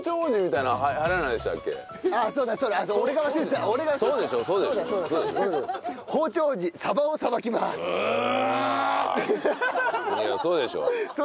いやそうでしょう。